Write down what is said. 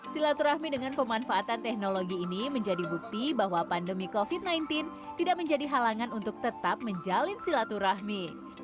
silaturahmi dengan pemanfaatan teknologi ini menjadi bukti bahwa pandemi covid sembilan belas tidak menjadi halangan untuk tetap menjalin silaturahmi